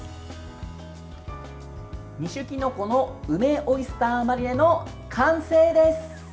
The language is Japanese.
２種きのこの梅オイスターマリネの完成です。